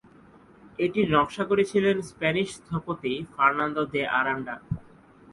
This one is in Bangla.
এটির নকশা করেছিলেন স্প্যানিশ স্থপতি ফার্নান্দো দে আরান্ডা।